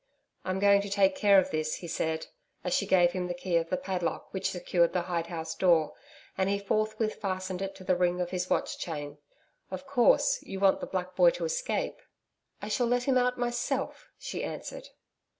'I'm going to take care of this,' he said, as she gave him the key of the padlock which secured the hide house door, and he forthwith fastened it to the ring of his watch chain. 'Of course you want the black boy to escape?' 'I shall let him out myself,' she answered.